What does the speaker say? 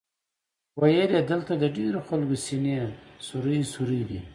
ویل یې دلته د ډېرو خلکو سینې سوري سوري دي.